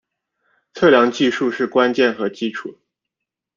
测量技术是关键和基础。